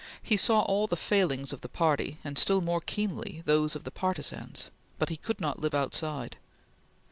He saw all the failings of the party, and still more keenly those of the partisans; but he could not live outside.